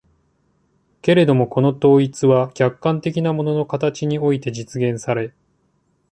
けれどもこの統一は客観的な物の形において実現され、